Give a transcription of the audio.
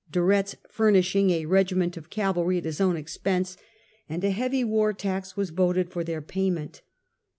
De Retz furnishing a regiment of cavalry at his own expense ; and a heavy war tax was voted for their payment.